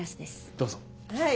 どうぞ。